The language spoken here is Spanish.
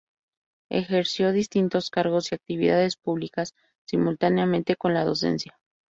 Ejerció distintos cargos y actividades públicas, simultáneamente con la docencia.